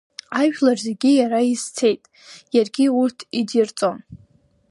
Ажәлар зегьы Иара изцеит, Иаргьы урҭ идирҵон.